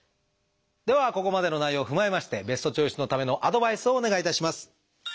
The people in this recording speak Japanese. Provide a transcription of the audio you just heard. ではここまでの内容を踏まえましてベストチョイスのためのアドバイスをお願いいたします。